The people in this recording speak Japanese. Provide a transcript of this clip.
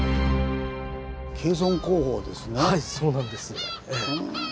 はいそうなんです。